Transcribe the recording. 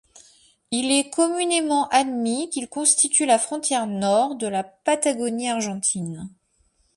Il est communément admis qu'il constitue la frontière nord de la Patagonie argentine.